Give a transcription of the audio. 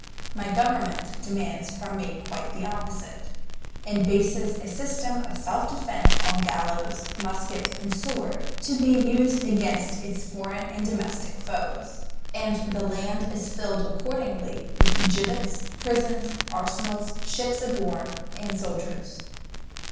"My government demands from me quite the opposite, and bases a system of self defense on gallows, musket, and sword, to be used against its foreign and domestic foes. And the land is filled accordingly with gibbets, prisons, arsenals, ships of war, and soldiers.